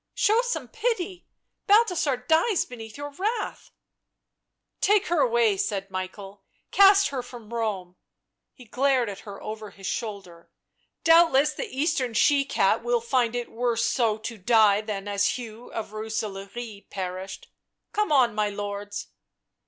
" Show some pity ; Balthasar dies beneath your wrath "" Take her away," said Michael. " Cast her from Rome "— he glared at her over his shoulder —" doubt less the Eastern she cat will find it worse so to die than as Hugh of Rooselaare perished ; come on, my lords."